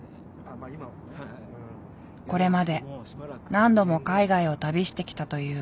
これまで何度も海外を旅してきたという彼。